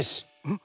ん？